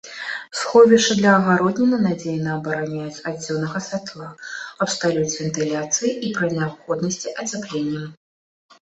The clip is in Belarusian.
Сховішчы для агародніны надзейна абараняюць ад дзённага святла, абсталююць вентыляцыяй і, пры неабходнасці, ацяпленнем.